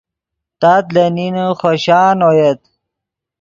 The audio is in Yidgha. تات لے نین خوشان اویت